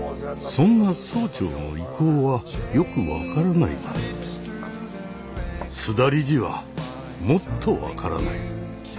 そんな総長の意向はよく分からないが須田理事はもっと分からない。